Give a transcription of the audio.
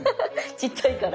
ちっちゃいから。